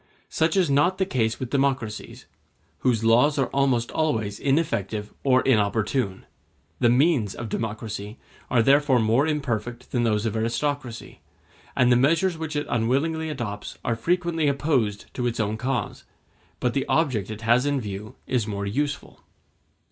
Such is not the case with democracies, whose laws are almost always ineffective or inopportune. The means of democracy are therefore more imperfect than those of aristocracy, and the measures which it unwittingly adopts are frequently opposed to its own cause; but the object it has in view is more useful.